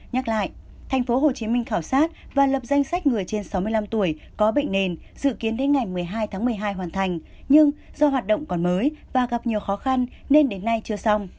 nhắc lại tp hcm khảo sát và lập danh sách người trên sáu mươi năm tuổi có bệnh nền dự kiến đến ngày một mươi hai tháng một mươi hai hoàn thành nhưng do hoạt động còn mới và gặp nhiều khó khăn nên đến nay chưa xong